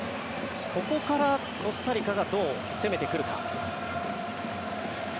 ここからコスタリカがどう攻めてくるか。